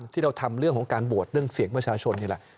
ที่เราทำเรื่องของการโหวตเรื่องเสียงประชาชนนี่แหละ